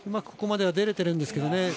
ここまでは出れてるんですけどね